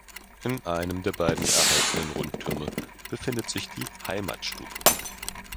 In einem der beiden erhaltenen Rundtürme befindet sich die "Heimatstube".